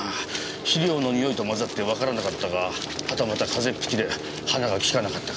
肥料のにおいと混ざってわからなかったかはたまた風邪っ引きで鼻が利かなかったか。